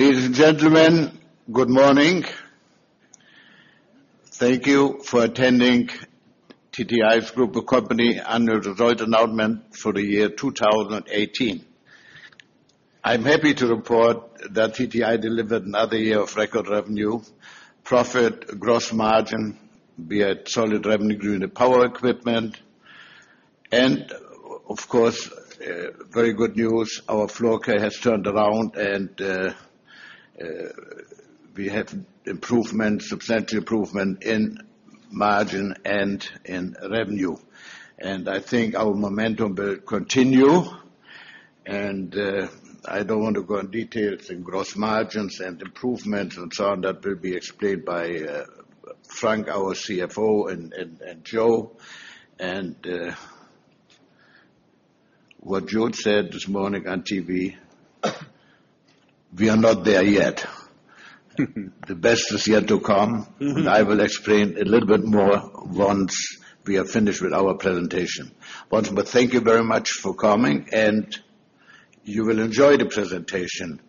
Ladies and gentlemen, good morning. Thank you for attending TTI annual result announcement for the year 2018. I'm happy to report that TTI delivered another year of record revenue, profit, gross margin. We had solid revenue growth in the power equipment. Of course, very good news, our floor care has turned around, and we have substantial improvement in margin and in revenue. I think our momentum will continue. I don't want to go in details in gross margins and improvements and so on. That will be explained by Frank, our CFO, and Joe. What George said this morning on TV, we are not there yet. The best is yet to come. I will explain a little bit more once we are finished with our presentation. Once more, thank you very much for coming, and you will enjoy the presentation.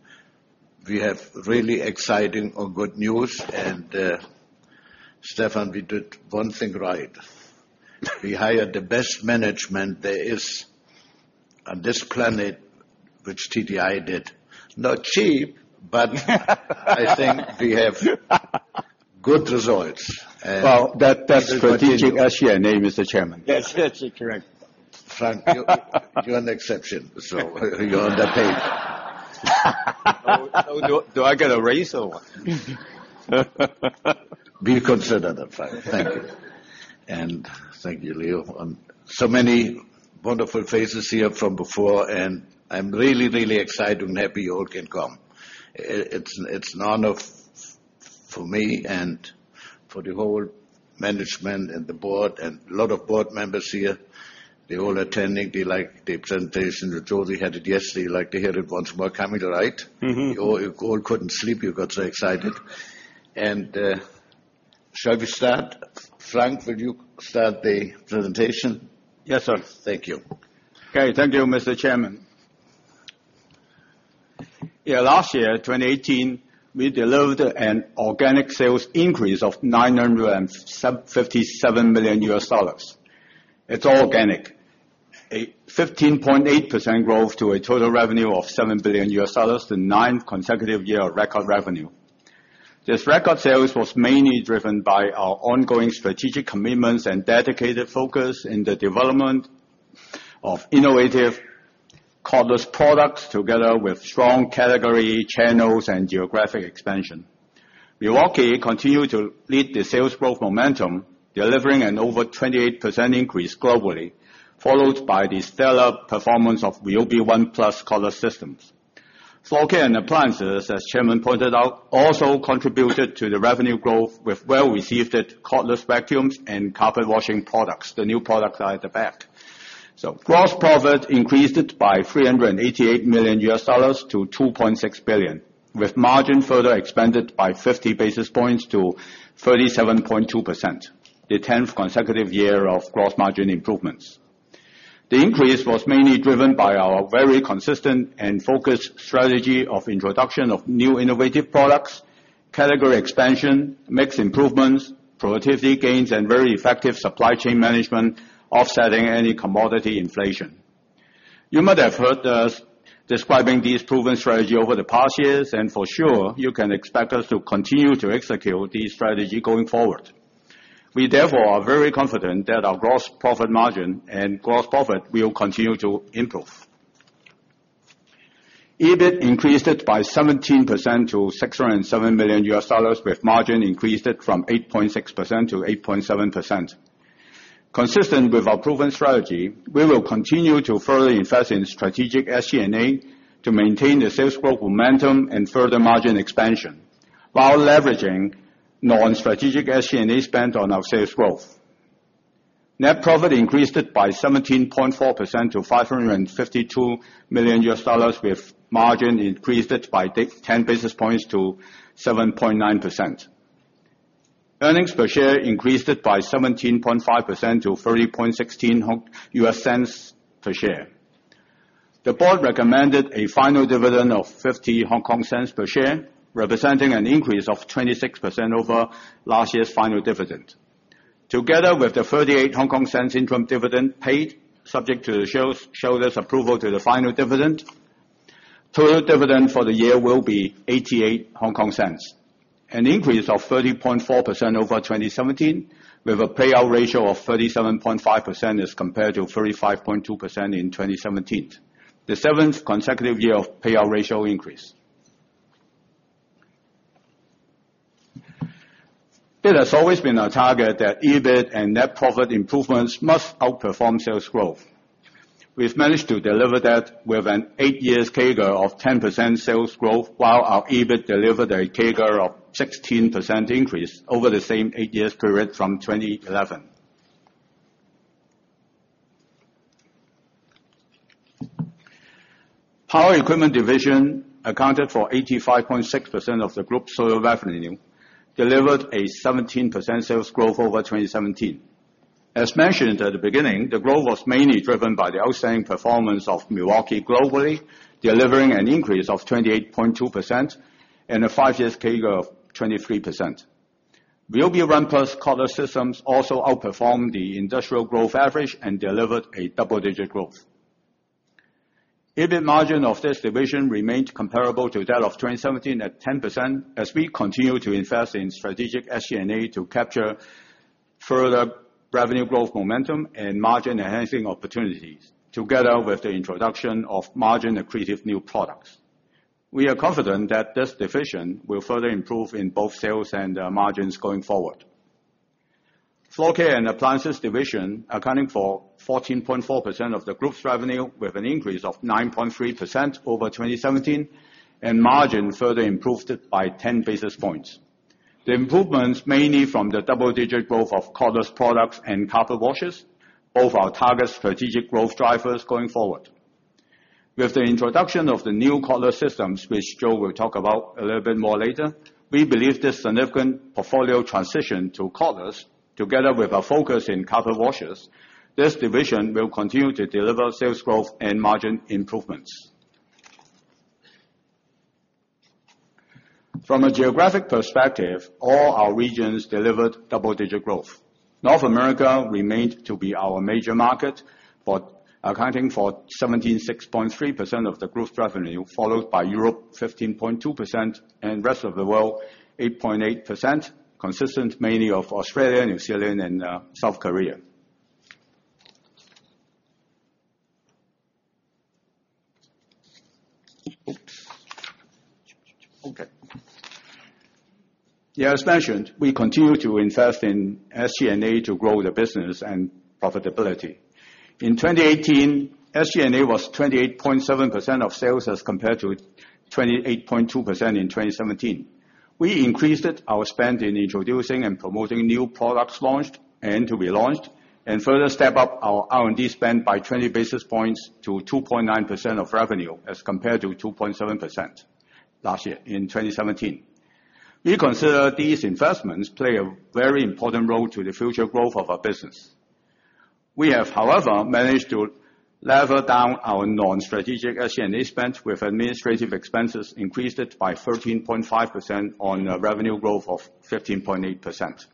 We have really exciting or good news. Stefan, we did one thing right. We hired the best management there is on this planet, which TTI did. Not cheap. I think we have good results, and this is what you- Well, that's for TGCA name, Mr. Chairman. Yes, yes, correct. Frank, you're an exception. You're on that page. Do I get a raise or what? We consider that, Frank. Thank you. Thank you, Leo. So many wonderful faces here from before, and I'm really excited and happy you all can come. It's an honor for me and for the whole management and the board and a lot of board members here. They're all attending. They like the presentation that George had yesterday. They like to hear it once more. They are coming tonight. You all couldn't sleep, you got so excited. Shall we start? Frank, will you start the presentation? Yes, sir. Thank you. Thank you, Mr. Chairman. Last year, 2018, we delivered an organic sales increase of $957 million. It is all organic. A 15.8% growth to a total revenue of $7 billion, the ninth consecutive year of record revenue. This record sales was mainly driven by our ongoing strategic commitments and dedicated focus in the development of innovative cordless products together with strong category channels and geographic expansion. Milwaukee continued to lead the sales growth momentum, delivering an over 28% increase globally, followed by the stellar performance of RYOBI ONE+ cordless systems. Floor care and appliances, as Chairman pointed out, also contributed to the revenue growth with well-received cordless vacuums and carpet washing products. The new products are at the back. Gross profit increased by $388 million to $2.6 billion, with margin further expanded by 50 basis points to 37.2%, the 10th consecutive year of gross margin improvements. The increase was mainly driven by our very consistent and focused strategy of introduction of new innovative products, category expansion, mix improvements, productivity gains, and very effective supply chain management offsetting any commodity inflation. You might have heard us describing this proven strategy over the past years, and for sure, you can expect us to continue to execute this strategy going forward. We therefore are very confident that our gross profit margin and gross profit will continue to improve. EBIT increased by 17% to $607 million, with margin increased from 8.6% to 8.7%. Consistent with our proven strategy, we will continue to further invest in strategic SG&A to maintain the sales growth momentum and further margin expansion, while leveraging non-strategic SG&A spend on our sales growth. Net profit increased by 17.4% to $552 million with margin increased by 10 basis points to 7.9%. Earnings per share increased by 17.5% to $0.3016 per share. The board recommended a final dividend of 0.50 per share, representing an increase of 26% over last year's final dividend. Together with the 0.38 Hong Kong interim dividend paid, subject to the shareholders' approval to the final dividend, total dividend for the year will be 0.88. An increase of 30.4% over 2017, with a payout ratio of 37.5% as compared to 35.2% in 2017. The seventh consecutive year of payout ratio increase. It has always been our target that EBIT and net profit improvements must outperform sales growth. We have managed to deliver that with an eight years CAGR of 10% sales growth, while our EBIT delivered a CAGR of 16% increase over the same eight years period from 2011. Power equipment division accounted for 85.6% of the group's total revenue, delivered a 17% sales growth over 2017. As mentioned at the beginning, the growth was mainly driven by the outstanding performance of Milwaukee globally, delivering an increase of 28.2% and a five-year CAGR of 23%. Milwaukee ONE+ cordless systems also outperformed the industrial growth average and delivered a double-digit growth. EBIT margin of this division remained comparable to that of 2017 at 10% as we continue to invest in strategic SG&A to capture further revenue growth momentum and margin enhancing opportunities, together with the introduction of margin-accretive new products. We are confident that this division will further improve in both sales and margins going forward. Floor Care and Appliances division accounting for 14.4% of the group's revenue, with an increase of 9.3% over 2017, and margin further improved by 10 basis points. The improvements mainly from the double-digit growth of cordless products and carpet washers, both our target strategic growth drivers going forward. With the introduction of the new cordless systems, which Joe will talk about a little bit more later, we believe this significant portfolio transition to cordless, together with our focus in carpet washers, this division will continue to deliver sales growth and margin improvements. From a geographic perspective, all our regions delivered double-digit growth. North America remained to be our major market, accounting for 76.3% of the group's revenue, followed by Europe 15.2%, and rest of the world 8.8%, consistent mainly of Australia, New Zealand, and South Korea. As mentioned, we continue to invest in SG&A to grow the business and profitability. In 2018, SG&A was 28.7% of sales as compared to 28.2% in 2017. We increased our spend in introducing and promoting new products launched and to be launched, and further step up our R&D spend by 20 basis points to 2.9% of revenue as compared to 2.7% last year in 2017. We consider these investments play a very important role to the future growth of our business. We have, however, managed to level down our non-strategic SG&A spend with administrative expenses increased by 13.5% on revenue growth of 15.8%.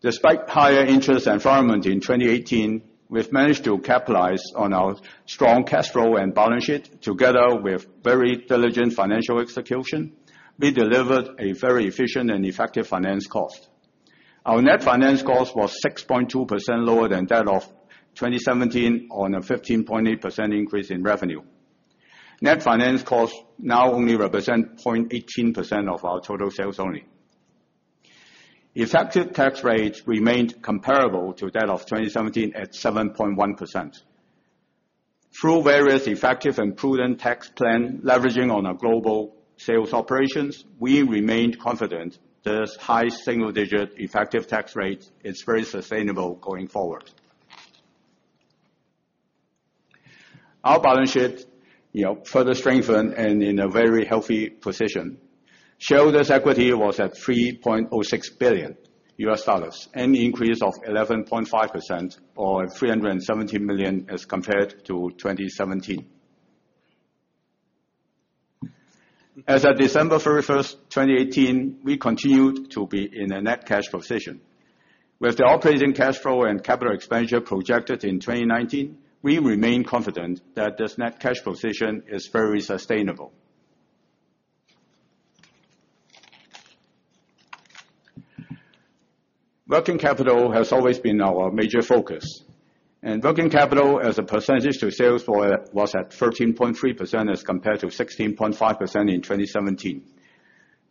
Despite higher interest environment in 2018, we've managed to capitalize on our strong cash flow and balance sheet. Together with very diligent financial execution, we delivered a very efficient and effective finance cost. Our net finance cost was 6.2% lower than that of 2017 on a 15.8% increase in revenue. Net finance cost now only represent 0.18% of our total sales only. Effective tax rate remained comparable to that of 2017 at 7.1%. Through various effective and prudent tax plan leveraging on our global sales operations, we remained confident this high single-digit effective tax rate is very sustainable going forward. Our balance sheet further strengthened and in a very healthy position. Shareholders' equity was at $3.06 billion, an increase of 11.5% or $317 million as compared to 2017. As of December 31st, 2018, we continued to be in a net cash position. With the operating cash flow and capital expenditure projected in 2019, we remain confident that this net cash position is very sustainable. Working capital has always been our major focus. Working capital as a percentage to sales was at 13.3% as compared to 16.5% in 2017.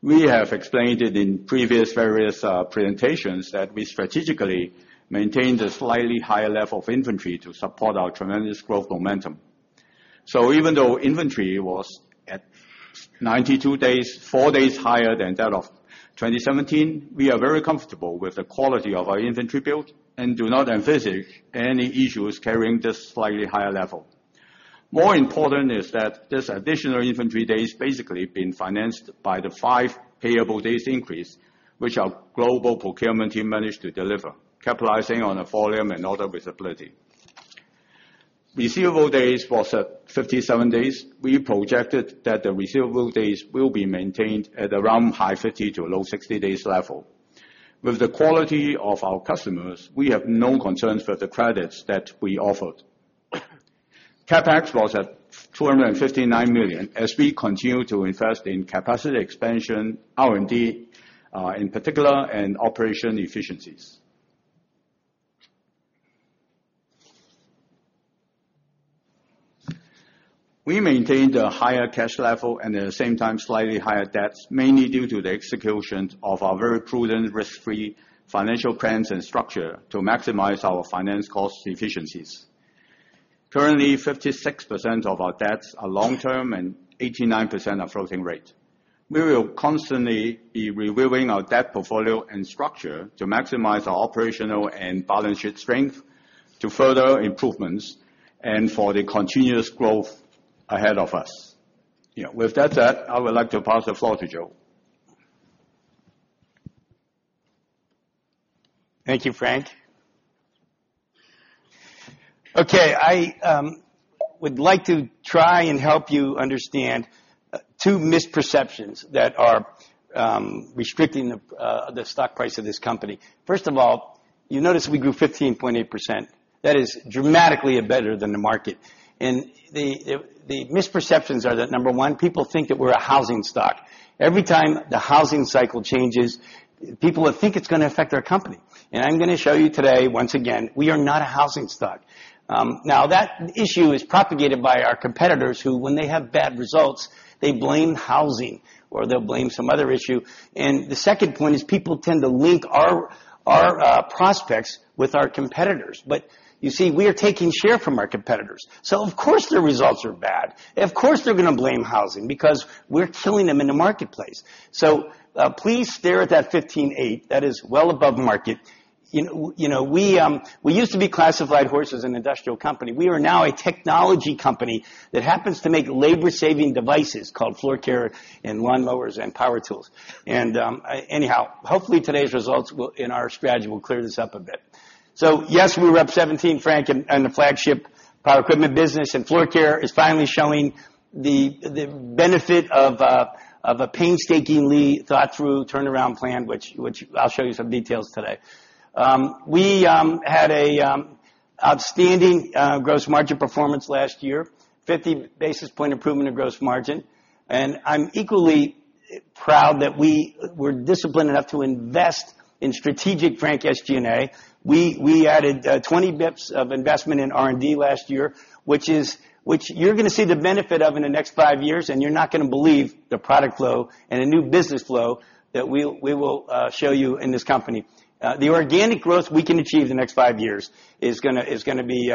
We have explained it in previous various presentations that we strategically maintained a slightly higher level of inventory to support our tremendous growth momentum. Even though inventory was at 92 days, four days higher than that of 2017, we are very comfortable with the quality of our inventory build and do not envisage any issues carrying this slightly higher level. More important is that this additional inventory days basically been financed by the five payable days increase, which our global procurement team managed to deliver, capitalizing on the volume and order visibility. Receivable days was at 57 days. We projected that the receivable days will be maintained at around high 50 to low 60 days level. With the quality of our customers, we have no concerns for the credits that we offered. CapEx was at $259 million, as we continue to invest in capacity expansion, R&D in particular, and operation efficiencies. We maintained a higher cash level and at the same time, slightly higher debts, mainly due to the execution of our very prudent risk-free financial plans and structure to maximize our finance cost efficiencies. Currently, 56% of our debts are long-term and 89% are floating rate. We will constantly be reviewing our debt portfolio and structure to maximize our operational and balance sheet strength to further improvements and for the continuous growth ahead of us. With that said, I would like to pass the floor to Joe. Thank you, Frank. I would like to try and help you understand two misperceptions that are restricting the stock price of this company. First of all, you notice we grew 15.8%. That is dramatically better than the market. The misperceptions are that, number one, people think that we're a housing stock. Every time the housing cycle changes, people think it's going to affect our company. I'm going to show you today, once again, we are not a housing stock. That issue is propagated by our competitors, who, when they have bad results, they blame housing or they'll blame some other issue. The second point is people tend to link our prospects with our competitors. You see, we are taking share from our competitors. Of course, their results are bad. Of course, they're going to blame housing because we're killing them in the marketplace. Please stare at that 15.8. That is well above market. We used to be classified, Horst, as an industrial company. We are now a technology company that happens to make labor-saving devices called floor care and lawn mowers and power tools. Anyhow, hopefully today's results and our strategy will clear this up a bit. Yes, we were up 17, Frank, on the flagship power equipment business, and floor care is finally showing the benefit of a painstakingly thought-through turnaround plan, which I'll show you some details today. We had a outstanding gross margin performance last year, 50 basis point improvement of gross margin. I'm equally proud that we were disciplined enough to invest in strategic, Frank, SG&A. We added 20 bips of investment in R&D last year, which you're going to see the benefit of in the next five years, and you're not going to believe the product flow and the new business flow that we will show you in this company. The organic growth we can achieve in the next five years is going to be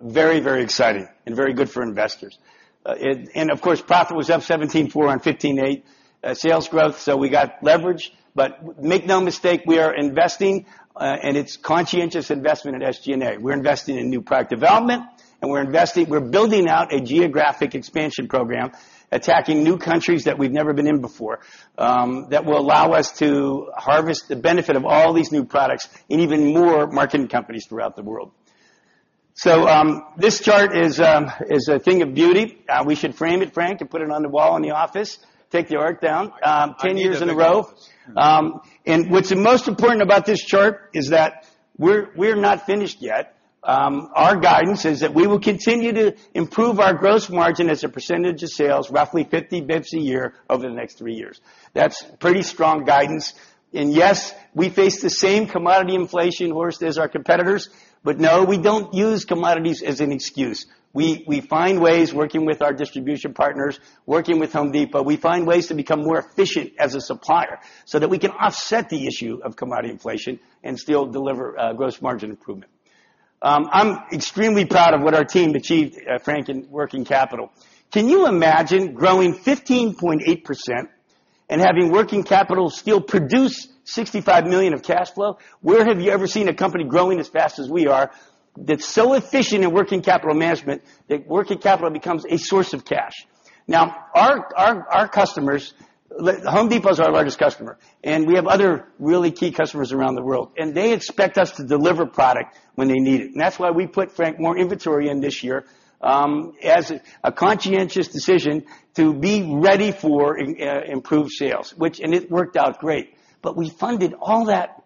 very exciting and very good for investors. Of course, profit was up 17.4% on 15.8% sales growth, so we got leverage. Make no mistake, we are investing, and it's conscientious investment in SG&A. We're investing in new product development, and we're building out a geographic expansion program, attacking new countries that we've never been in before, that will allow us to harvest the benefit of all these new products in even more marketing companies throughout the world. This chart is a thing of beauty. We should frame it, Frank, and put it on the wall in the office. Take the art down. 10 years in a row. What's most important about this chart is that we're not finished yet. Our guidance is that we will continue to improve our gross margin as a percentage of sales, roughly 50 bips a year over the next three years. That's pretty strong guidance. Yes, we face the same commodity inflation, Horst, as our competitors. No, we don't use commodities as an excuse. We find ways, working with our distribution partners, working with Home Depot, we find ways to become more efficient as a supplier so that we can offset the issue of commodity inflation and still deliver gross margin improvement. I'm extremely proud of what our team achieved, Frank, in working capital. Can you imagine growing 15.8% and having working capital still produce $65 million of cash flow? Where have you ever seen a company growing as fast as we are, that's so efficient in working capital management that working capital becomes a source of cash? Our customers, Home Depot is our largest customer, and we have other really key customers around the world, and they expect us to deliver product when they need it. That's why we put, Frank, more inventory in this year as a conscientious decision to be ready for improved sales. It worked out great. We funded all that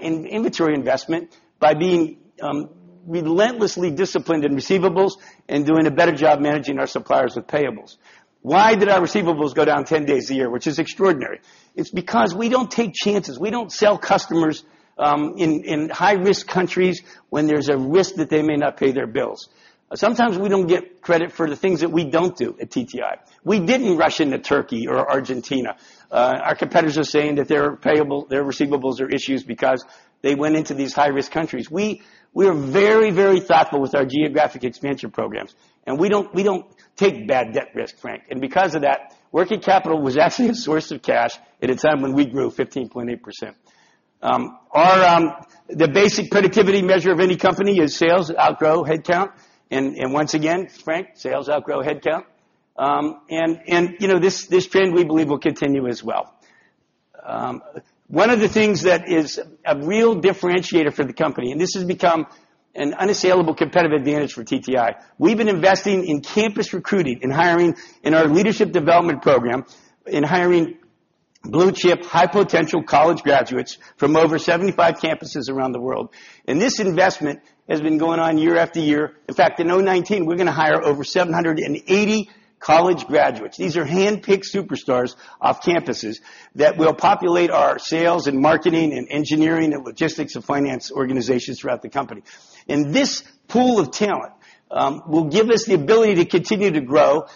inventory investment by being relentlessly disciplined in receivables and doing a better job managing our suppliers with payables. Why did our receivables go down 10 days a year, which is extraordinary? It's because we don't take chances. We don't sell customers in high-risk countries when there's a risk that they may not pay their bills. Sometimes we don't get credit for the things that we don't do at TTI. We didn't rush into Turkey or Argentina. Our competitors are saying that their receivables are issues because they went into these high-risk countries. We are very thoughtful with our geographic expansion programs, and we don't take bad debt risks, Frank. Because of that, working capital was actually a source of cash at a time when we grew 15.8%. The basic productivity measure of any company is sales outgrow headcount. Once again, Frank, sales outgrow headcount. This trend, we believe, will continue as well. One of the things that is a real differentiator for the company, and this has become an unassailable competitive advantage for TTI. We've been investing in campus recruiting, in hiring in our leadership development program, in hiring blue-chip, high-potential college graduates from over 75 campuses around the world. This investment has been going on year after year. In fact, in 2019, we're going to hire over 780 college graduates. These are handpicked superstars off campuses that will populate our sales and marketing and engineering and logistics and finance organizations throughout the company. This pool of talent will give us the ability to continue to grow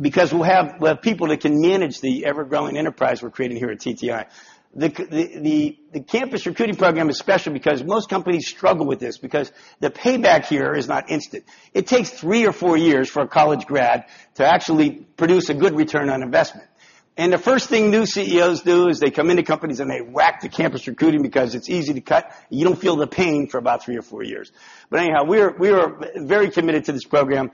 because we'll have people that can manage the ever-growing enterprise we're creating here at TTI. The campus recruiting program is special because most companies struggle with this, because the payback here is not instant. It takes three or four years for a college grad to actually produce a good return on investment. The first thing new CEOs do is they come into companies and they whack the campus recruiting because it's easy to cut, and you don't feel the pain for about three or four years. Anyhow, we are very committed to this program.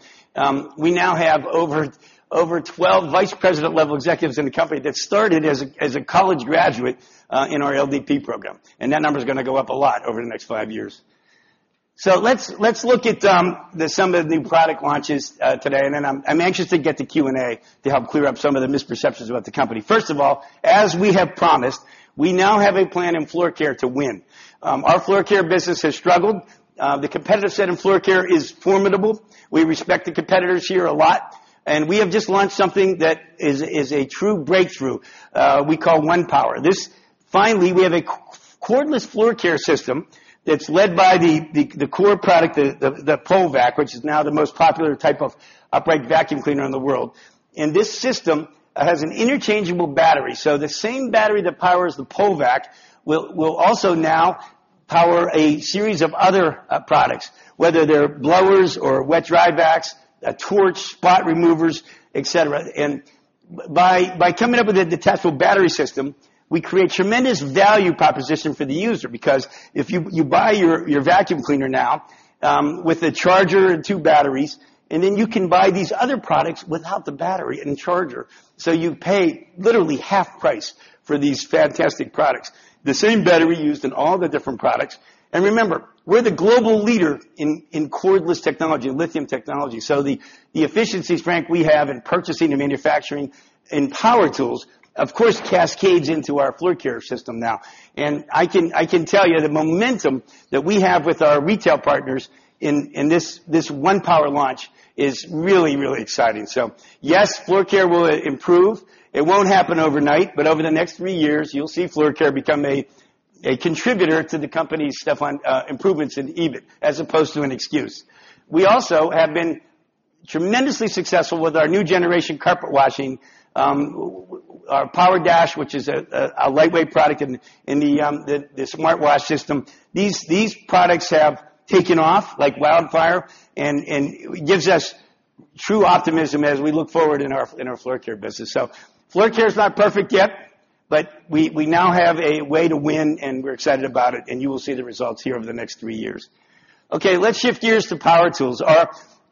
We now have over 12 vice president-level executives in the company that started as a college graduate in our LDP program, and that number's going to go up a lot over the next five years. Let's look at some of the new product launches today, and then I'm anxious to get to Q&A to help clear up some of the misperceptions about the company. First of all, as we have promised, we now have a plan in floor care to win. Our floor care business has struggled. The competitive set in floor care is formidable. We respect the competitors here a lot, and we have just launched something that is a true breakthrough we call ONEPWR. Finally, we have a cordless floor care system that's led by the core product, the Polivac, which is now the most popular type of upright vacuum cleaner in the world. This system has an interchangeable battery. The same battery that powers the Polivac will also now power a series of other products, whether they're blowers or wet/dry vacs, torch, spot removers, et cetera. By coming up with a detachable battery system, we create tremendous value proposition for the user because if you buy your vacuum cleaner now, with a charger and two batteries, then you can buy these other products without the battery and charger. You pay literally half price for these fantastic products. The same battery used in all the different products. Remember, we're the global leader in cordless technology, lithium technology. The efficiencies, Frank, we have in purchasing and manufacturing and power tools, of course, cascades into our floor care system now. I can tell you the momentum that we have with our retail partners in this ONEPWR launch is really exciting. Yes, floor care will improve. It won't happen overnight, but over the next three years, you'll see floor care become a contributor to the company, Stefan, improvements in EBIT as opposed to an excuse. We also have been tremendously successful with our new generation carpet washing, our PowerDash, which is a lightweight product in the SmartWash system. These products have taken off like wildfire and gives us true optimism as we look forward in our floor care business. Floor care is not perfect yet, but we now have a way to win, and we're excited about it, and you will see the results here over the next three years. Let's shift gears to power tools.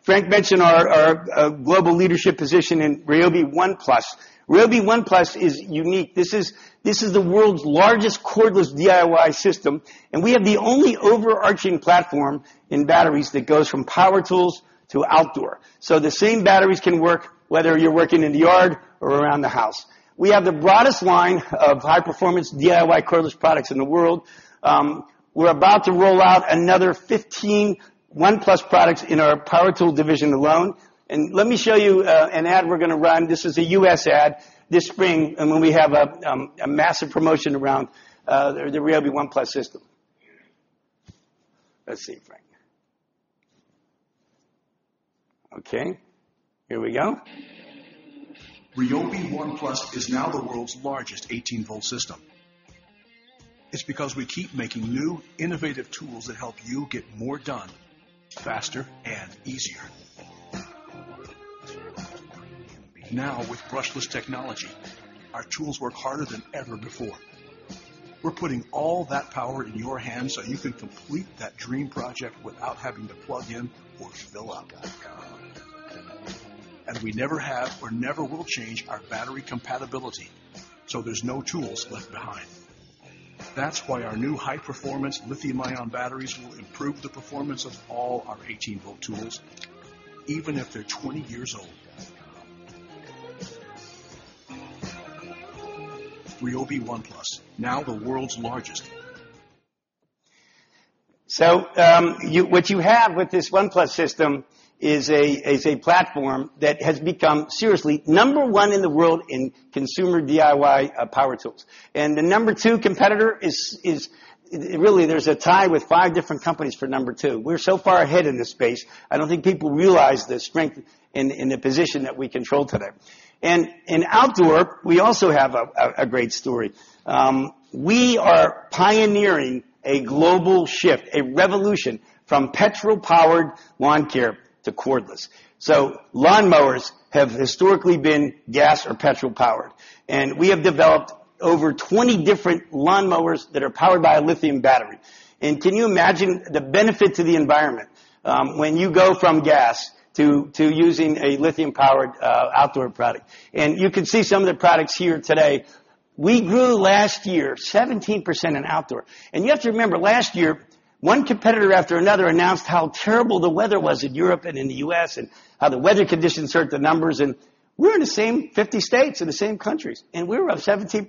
Frank mentioned our global leadership position in RYOBI ONE+. RYOBI ONE+ is unique. This is the world's largest cordless DIY system, and we have the only overarching platform in batteries that goes from power tools to outdoor. The same batteries can work whether you're working in the yard or around the house. We have the broadest line of high-performance DIY cordless products in the world. We're about to roll out another 15 ONE+ products in our power tool division alone. Let me show you an ad we're going to run. This is a U.S. ad this spring, and when we have a massive promotion around the RYOBI ONE+ system. Let's see, Frank. Okay, here we go. RYOBI ONE+ is now the world's largest 18-volt system. It's because we keep making new, innovative tools that help you get more done, faster and easier. Now, with brushless technology, our tools work harder than ever before. We're putting all that power in your hands so you can complete that dream project without having to plug in or fill up. We never have or never will change our battery compatibility, so there's no tools left behind. That's why our new high-performance lithium-ion batteries will improve the performance of all our 18-volt tools, even if they're 20 years old. RYOBI ONE+, now the world's largest. What you have with this ONE+ system is a platform that has become, seriously, number one in the world in consumer DIY power tools. The number two competitor is Really, there's a tie with five different companies for number two. We're so far ahead in this space, I don't think people realize the strength in the position that we control today. In outdoor, we also have a great story. We are pioneering a global shift, a revolution from petrol-powered lawn care to cordless. Lawn mowers have historically been gas or petrol-powered, and we have developed over 20 different lawn mowers that are powered by a lithium battery. Can you imagine the benefit to the environment, when you go from gas to using a lithium-powered outdoor product? You can see some of the products here today. We grew last year 17% in outdoor. You have to remember, last year, one competitor after another announced how terrible the weather was in Europe and in the U.S., and how the weather conditions hurt the numbers. We're in the same 50 states, in the same countries, and we're up 17%.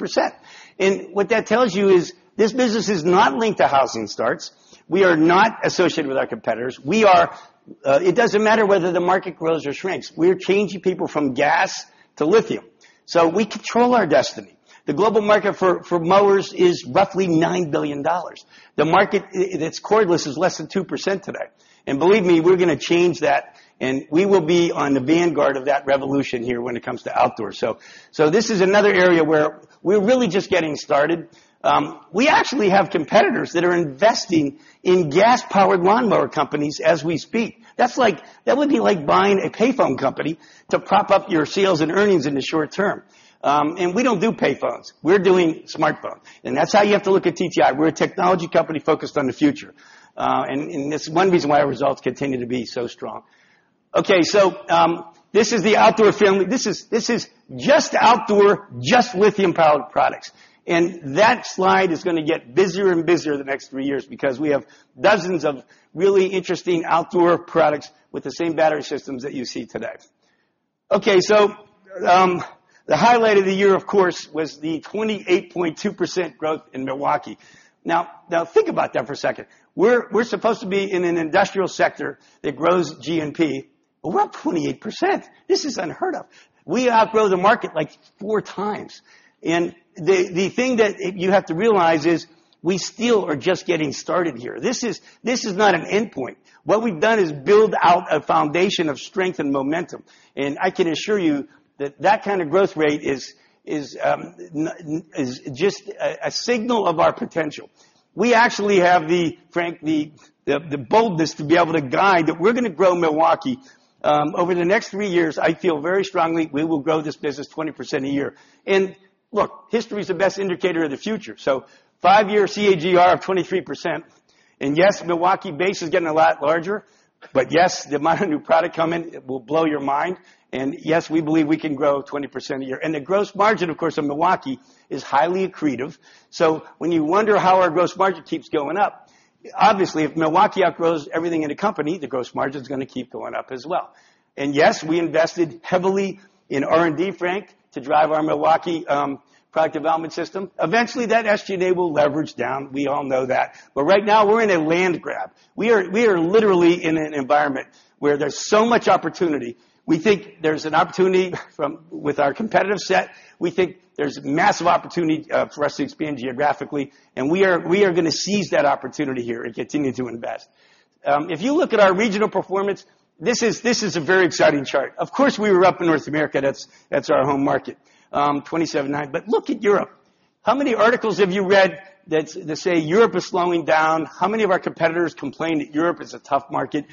What that tells you is this business is not linked to housing starts. We are not associated with our competitors. It doesn't matter whether the market grows or shrinks. We're changing people from gas to lithium. We control our destiny. The global market for mowers is roughly $9 billion. The market that's cordless is less than 2% today. Believe me, we're going to change that, and we will be on the vanguard of that revolution here when it comes to outdoor. This is another area where we're really just getting started. We actually have competitors that are investing in gas-powered lawnmower companies as we speak. That would be like buying a payphone company to prop up your sales and earnings in the short term. We don't do payphones. We're doing smartphone. That's how you have to look at TTI. We're a technology company focused on the future. It's one reason why our results continue to be so strong. This is the outdoor family. This is just outdoor, just lithium-powered products. That slide is going to get busier and busier the next three years because we have dozens of really interesting outdoor products with the same battery systems that you see today. The highlight of the year, of course, was the 28.2% growth in Milwaukee. Now, think about that for a second. We're supposed to be in an industrial sector that grows GNP. We're up 28%. This is unheard of. We outgrow the market like four times. The thing that you have to realize is we still are just getting started here. This is not an endpoint. What we've done is build out a foundation of strength and momentum, and I can assure you that that kind of growth rate is just a signal of our potential. We actually have, Frank, the boldness to be able to guide, that we're going to grow Milwaukee. Over the next three years, I feel very strongly we will grow this business 20% a year. Look, history is the best indicator of the future. Five-year CAGR of 23%. Yes, Milwaukee base is getting a lot larger. Yes, the amount of new product coming will blow your mind. Yes, we believe we can grow 20% a year. The gross margin, of course, on Milwaukee is highly accretive. When you wonder how our gross margin keeps going up, obviously, if Milwaukee outgrows everything in the company, the gross margin is going to keep going up as well. Yes, we invested heavily in R&D, Frank, to drive our Milwaukee product development system. Eventually, that SG&A will leverage down. We all know that. Right now, we're in a land grab. We are literally in an environment where there's so much opportunity. We think there's an opportunity with our competitive set. We think there's massive opportunity for us to expand geographically, and we are going to seize that opportunity here and continue to invest. If you look at our regional performance, this is a very exciting chart. Of course, we were up in North America. That's our home market. 27.9%. Look at Europe. How many articles have you read that say Europe is slowing down? How many of our competitors complain that Europe is a tough market?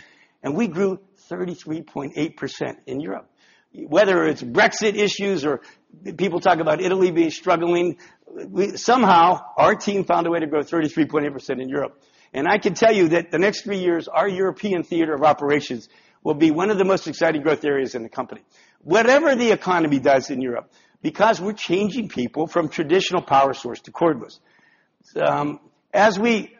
We grew 33.8% in Europe. Whether it's Brexit issues or people talk about Italy being struggling, somehow our team found a way to grow 33.8% in Europe. I can tell you that the next three years, our European theater of operations will be one of the most exciting growth areas in the company, whatever the economy does in Europe, because we're changing people from traditional power source to cordless. As we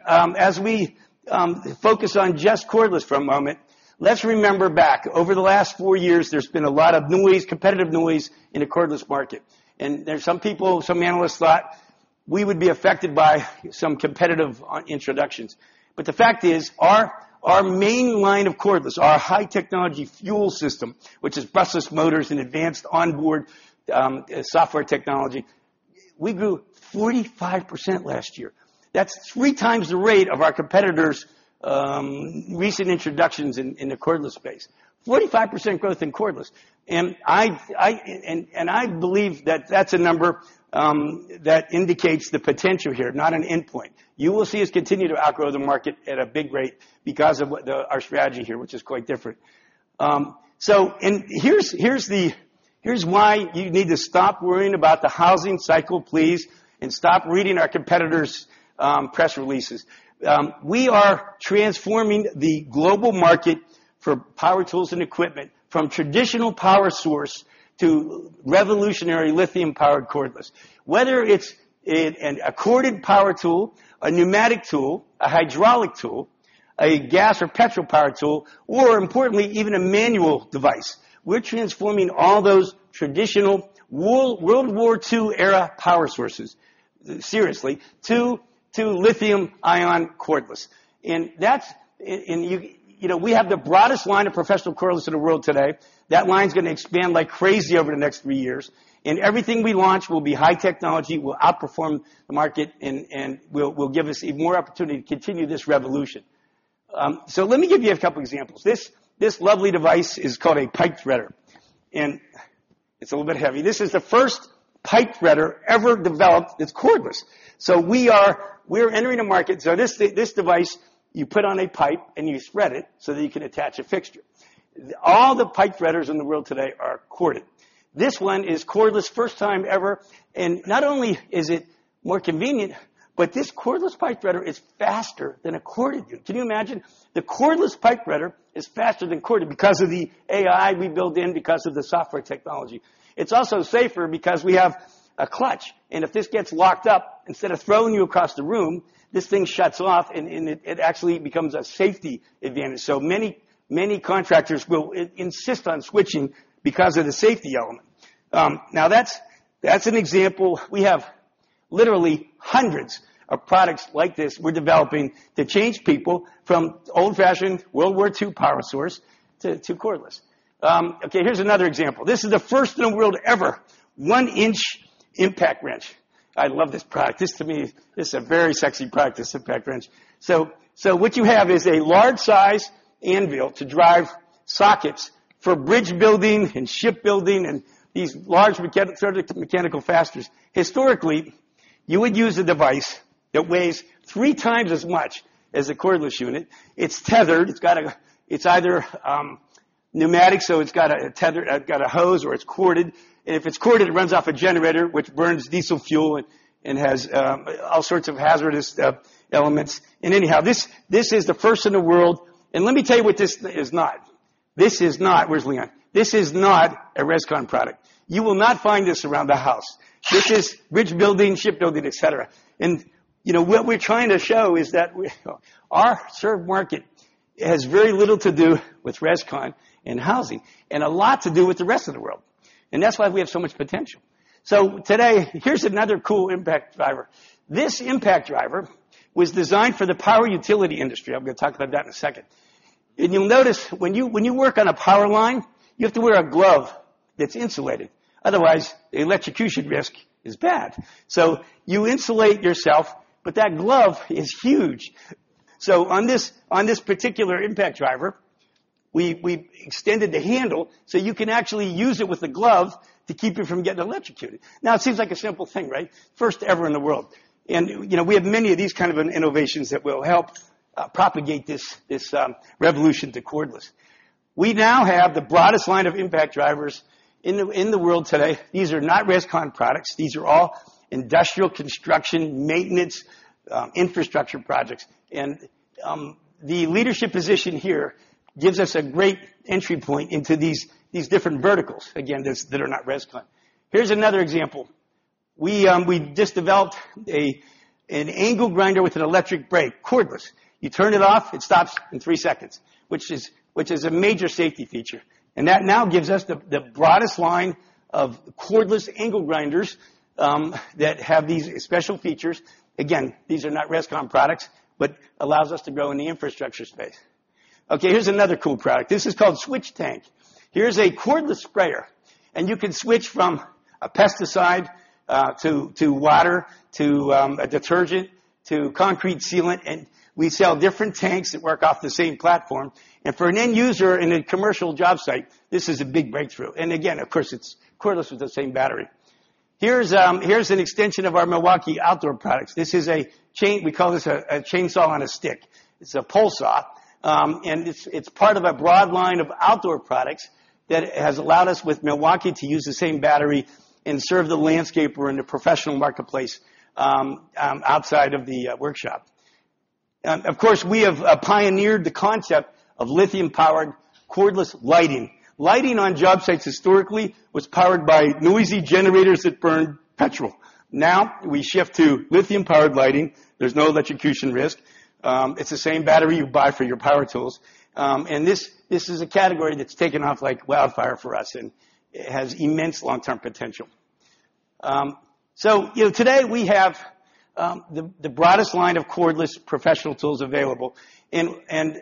focus on just cordless for a moment, let's remember back. Over the last four years, there's been a lot of noise, competitive noise in the cordless market. There are some people, some analysts thought we would be affected by some competitive introductions. The fact is, our main line of cordless, our high technology FUEL system, which is brushless motors and advanced onboard software technology, we grew 45% last year. That's three times the rate of our competitors' recent introductions in the cordless space. 45% growth in cordless. I believe that that's a number that indicates the potential here, not an endpoint. You will see us continue to outgrow the market at a big rate because of our strategy here, which is quite different. Here's why you need to stop worrying about the housing cycle, please, and stop reading our competitors' press releases. We are transforming the global market for power tools and equipment from traditional power source to revolutionary lithium-powered cordless. Whether it's a corded power tool, a pneumatic tool, a hydraulic tool, a gas or petrol power tool, or importantly, even a manual device, we're transforming all those traditional World War II era power sources, seriously, to lithium-ion cordless. We have the broadest line of professional cordless in the world today. That line's going to expand like crazy over the next three years. Everything we launch will be high technology, will outperform the market, and will give us more opportunity to continue this revolution. Let me give you a couple examples. This lovely device is called a pipe threader, and it's a little bit heavy. This is the first pipe threader ever developed that's cordless. We're entering a market. This device, you put on a pipe, and you thread it so that you can attach a fixture. All the pipe threaders in the world today are corded. This one is cordless, first time ever. Not only is it more convenient, but this cordless pipe threader is faster than a corded unit. Can you imagine? The cordless pipe threader is faster than corded because of the AI we built in, because of the software technology. It's also safer because we have a clutch, and if this gets locked up, instead of throwing you across the room, this thing shuts off, and it actually becomes a safety advantage. Many contractors will insist on switching because of the safety element. Now, that's an example. We have literally hundreds of products like this we're developing to change people from old-fashioned World War II power source to cordless. Okay, here's another example. This is the first in the world ever one-inch impact wrench. I love this product. This, to me, this is a very sexy product, this impact wrench. What you have is a large size anvil to drive sockets for bridge building and shipbuilding and these large mechanical fasteners. Historically, you would use a device that weighs three times as much as a cordless unit. It's tethered. It's either pneumatic, so it's got a hose, or it's corded. If it's corded, it runs off a generator, which burns diesel fuel and has all sorts of hazardous elements. Anyhow, this is the first in the world. Let me tell you what this is not. This is not, where's Leon? This is not a RESCON product. You will not find this around the house. This is bridge-building, shipbuilding, etcetera. What we're trying to show is that our served market has very little to do with RESCON and housing, and a lot to do with the rest of the world, and that's why we have so much potential. Today, here's another cool impact driver. This impact driver was designed for the power utility industry. I'm going to talk about that in a second. You'll notice when you work on a power line, you have to wear a glove that's insulated, otherwise the electrocution risk is bad. You insulate yourself, but that glove is huge. On this particular impact driver, we extended the handle, so you can actually use it with a glove to keep you from getting electrocuted. Now it seems like a simple thing, right? First ever in the world. We have many of these kind of innovations that will help propagate this revolution to cordless. We now have the broadest line of impact drivers in the world today. These are not RESCON products. These are all industrial construction, maintenance, infrastructure projects. The leadership position here gives us a great entry point into these different verticals, again, that are not RESCON. Here's another example. We just developed an angle grinder with an electric brake, cordless. You turn it off, it stops in three seconds, which is a major safety feature. That now gives us the broadest line of cordless angle grinders that have these special features. Again, these are not RESCON products, but allows us to grow in the infrastructure space. Okay, here's another cool product. This is called SWITCH TANK. Here's a cordless sprayer, and you can switch from a pesticide, to water, to a detergent, to concrete sealant, and we sell different tanks that work off the same platform. For an end user in a commercial job site, this is a big breakthrough. Again, of course, it's cordless with the same battery. Here's an extension of our Milwaukee outdoor products. We call this a chainsaw on a stick. It's a pole saw, and it's part of a broad line of outdoor products that has allowed us with Milwaukee to use the same battery and serve the landscaper in the professional marketplace outside of the workshop. Of course, we have pioneered the concept of lithium-powered cordless lighting. Lighting on job sites historically was powered by noisy generators that burned petrol. Now, we shift to lithium-powered lighting. There's no electrocution risk. It's the same battery you buy for your power tools. This is a category that's taken off like wildfire for us, and it has immense long-term potential. Today we have the broadest line of cordless professional tools available, and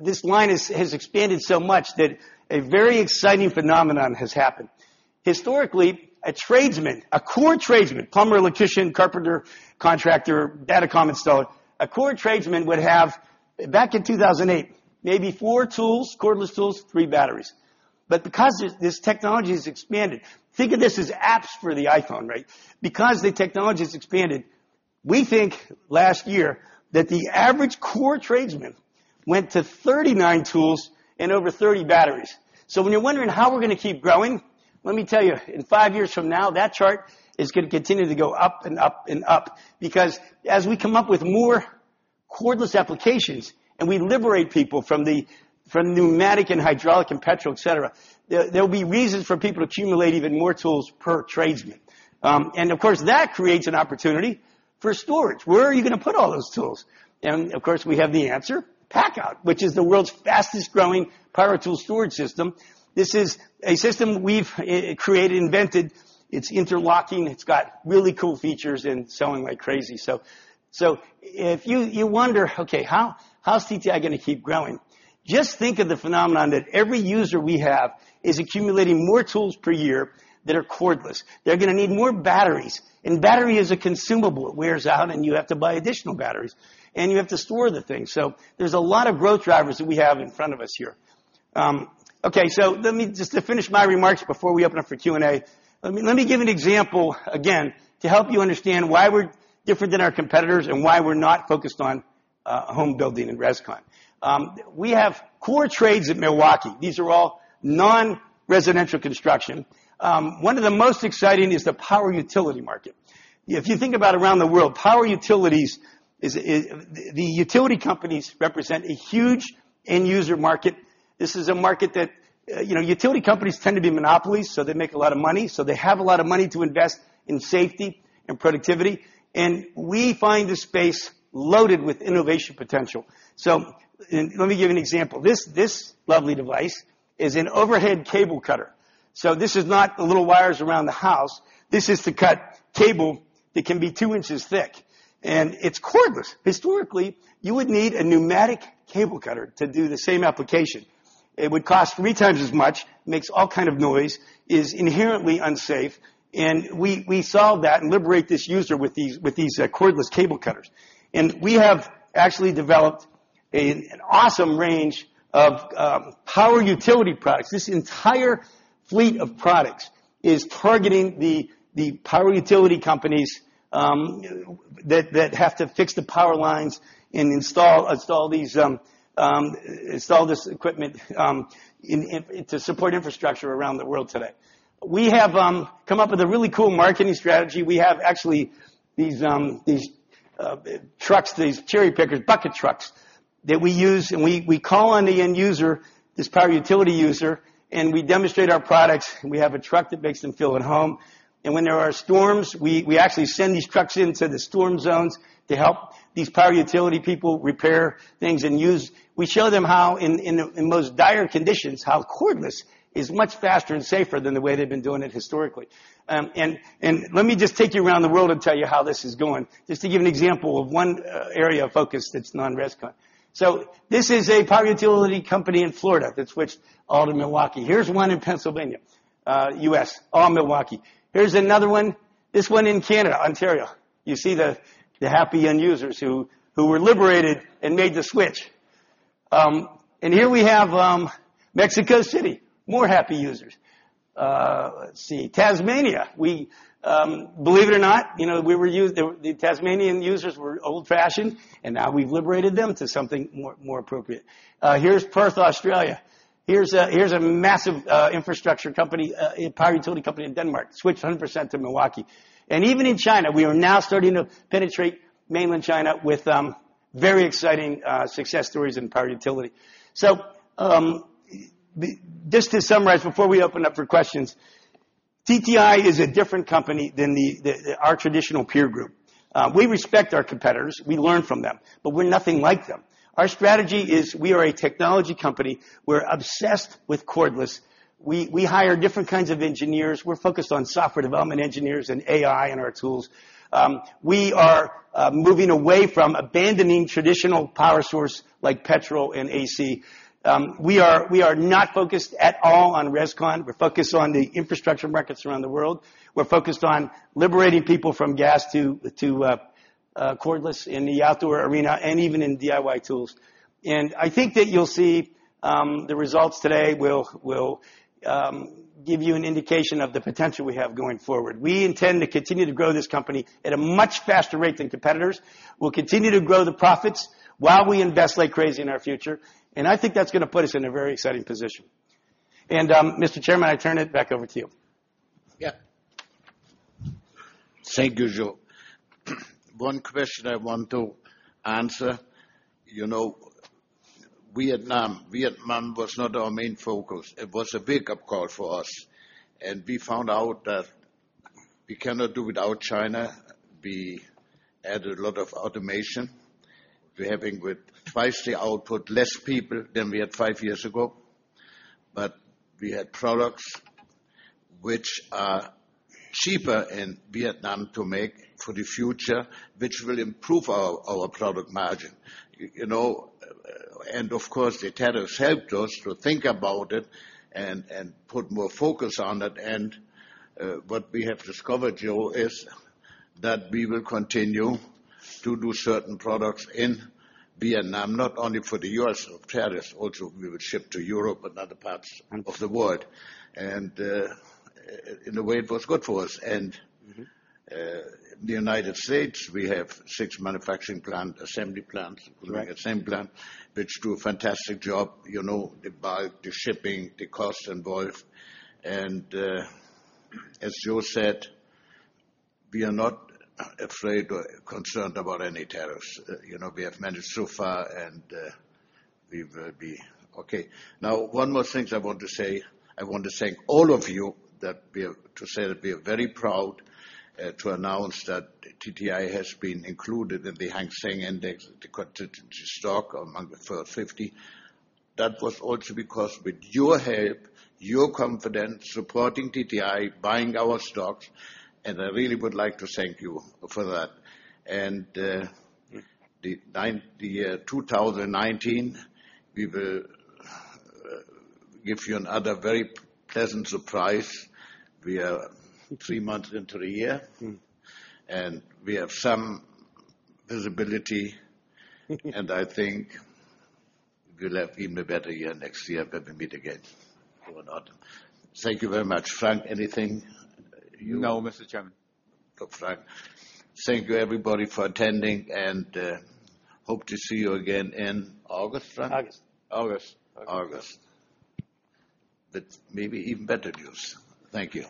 this line has expanded so much that a very exciting phenomenon has happened. Historically, a tradesman, a core tradesman, plumber, electrician, carpenter, contractor, data comm installer, a core tradesman would have, back in 2008, maybe four tools, cordless tools, three batteries. Because this technology has expanded, think of this as apps for the iPhone. The technology's expanded, we think last year that the average core tradesman went to 39 tools and over 30 batteries. When you're wondering how we're going to keep growing, let me tell you, in five years from now, that chart is going to continue to go up and up and up. As we come up with more cordless applications, and we liberate people from pneumatic and hydraulic and petrol, et cetera, there'll be reasons for people to accumulate even more tools per tradesman. Of course, that creates an opportunity for storage. Where are you going to put all those tools? Of course, we have the answer, PACKOUT, which is the world's fastest-growing power tool storage system. This is a system we've created, invented. It's interlocking, it's got really cool features, and selling like crazy. If you wonder, okay, how's TTI going to keep growing? Just think of the phenomenon that every user we have is accumulating more tools per year that are cordless. They're going to need more batteries, and battery is a consumable. It wears out, and you have to buy additional batteries, and you have to store the thing. There's a lot of growth drivers that we have in front of us here. Let me just to finish my remarks before we open up for Q&A. Let me give an example again to help you understand why we're different than our competitors and why we're not focused on home building and RESCON. We have core trades at Milwaukee. These are all non-residential construction. One of the most exciting is the power utility market. If you think about around the world, power utilities, the utility companies represent a huge end user market. This is a market that, utility companies tend to be monopolies, they make a lot of money. They have a lot of money to invest in safety and productivity, and we find this space loaded with innovation potential. Let me give you an example. This lovely device is an overhead cable cutter. This is not the little wires around the house. This is to cut cable that can be two inches thick, and it's cordless. Historically, you would need a pneumatic cable cutter to do the same application. It would cost three times as much, makes all kind of noise, is inherently unsafe, and we solved that and liberate this user with these cordless cable cutters. We have actually developed an awesome range of power utility products. This entire fleet of products is targeting the power utility companies that have to fix the power lines and install this equipment to support infrastructure around the world today. We have come up with a really cool marketing strategy. We have actually these trucks, these cherry pickers, bucket trucks that we use. We call on the end user, this power utility user, and we demonstrate our products. We have a truck that makes them feel at home. When there are storms, we actually send these trucks into the storm zones to help these power utility people repair things. We show them how, in the most dire conditions, how cordless is much faster and safer than the way they've been doing it historically. Let me just take you around the world and tell you how this is going, just to give an example of one area of focus that's non-RESCON. This is a power utility company in Florida that switched all to Milwaukee. Here's one in Pennsylvania, U.S., all Milwaukee. Here's another one, this one in Canada, Ontario. You see the happy end users who were liberated and made the switch. Here we have Mexico City, more happy users. Let's see. Tasmania. Believe it or not, the Tasmanian users were old-fashioned, and now we've liberated them to something more appropriate. Here's Perth, Australia. Here's a massive infrastructure company, a power utility company in Denmark, switched 100% to Milwaukee. Even in China, we are now starting to penetrate mainland China with very exciting success stories in power utility. Just to summarize, before we open up for questions, TTI is a different company than our traditional peer group. We respect our competitors. We learn from them, but we're nothing like them. Our strategy is we are a technology company. We're obsessed with cordless. We hire different kinds of engineers. We're focused on software development engineers and AI in our tools. We are moving away from abandoning traditional power source like petrol and AC. We are not focused at all on res con. We're focused on the infrastructure markets around the world. We're focused on liberating people from gas to cordless in the outdoor arena and even in DIY tools. I think that you'll see the results today will give you an indication of the potential we have going forward. We intend to continue to grow this company at a much faster rate than competitors, we'll continue to grow the profits while we invest like crazy in our future, and I think that's going to put us in a very exciting position. Mr. Chairman, I turn it back over to you. Yeah. Thank you, Joe. One question I want to answer. Vietnam was not our main focus. It was a wake-up call for us. We found out that we cannot do without China. We added a lot of automation. We're helping with twice the output, less people than we had five years ago. We had products which are cheaper in Vietnam to make for the future, which will improve our product margin. Of course, the tariffs helped us to think about it and put more focus on it. What we have discovered, Joe, is that we will continue to do certain products in Vietnam, not only for the U.S. of tariffs, also, we will ship to Europe and other parts of the world. In a way, it was good for us. the U.S., we have six manufacturing plant, assembly plants. Right assembly plant, which do a fantastic job, the bulk, the shipping, the cost involved. As Joe said, we are not afraid or concerned about any tariffs. We have managed so far, and we will be okay. One more things I want to say, I want to thank all of you, to say that we are very proud to announce that TTI has been included in the Hang Seng Index, the constituent stock among the first 50. That was also because with your help, your confidence, supporting TTI, buying our stocks, and I really would like to thank you for that. The year 2019, we will give you another very pleasant surprise. We are three months into the year. We have some visibility. I think we'll have even a better year next year when we meet again for autumn. Thank you very much. Frank, anything you No, Mr. Chairman. Okay, Frank. Thank you, everybody, for attending, and hope to see you again in August, Frank? August. August. August. With maybe even better news. Thank you.